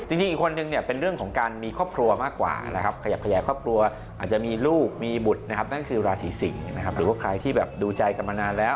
จริงอีกคนนึงเนี่ยเป็นเรื่องของการมีครอบครัวมากกว่านะครับขยับขยายครอบครัวอาจจะมีลูกมีบุตรนะครับนั่นก็คือราศีสิงศ์นะครับหรือว่าใครที่แบบดูใจกันมานานแล้ว